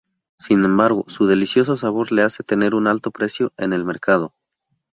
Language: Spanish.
Sin embargo, su delicioso sabor le hace tener un alto precio en el mercado.